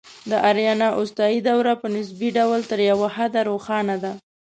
د آریانا اوستایي دوره په نسبي ډول تر یو حده روښانه ده